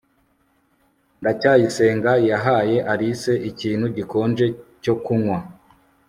ndacyayisenga yahaye alice ikintu gikonje cyo kunywa